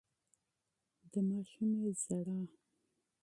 د ماشومې ژړا